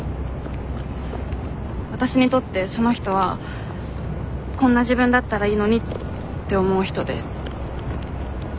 わたしにとってその人は「こんな自分だったらいいのに」って思う人でそれで。